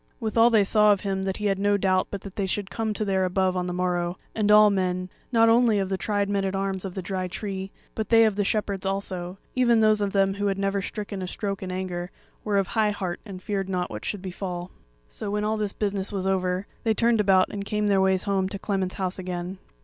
Withal they saw of him that he had no doubt but that they should come to their above on the morrow; and all men, not only of the tried men at arms of the Dry Tree, but they of the Shepherds also, even those of them who had never stricken a stroke in anger, were of high heart and feared not what should befall. So when all this business was over, they turned about and came their ways home to Clement's house again.